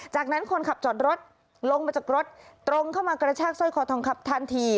จากนั้นคนขับจอดรถลงมาจากรถตรงเข้ามากระชากสร้อยคอทองคำทันที